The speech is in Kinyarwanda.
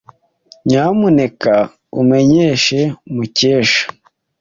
Nyamuneka umenyeshe Mukesha.